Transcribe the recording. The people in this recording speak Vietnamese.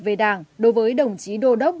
về đảng đối với đồng chí đô đốc